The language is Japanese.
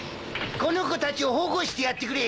この子たちを保護してやってくれ。